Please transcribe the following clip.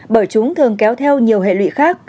bởi chúng thường kéo theo nhiều hệ lụy khác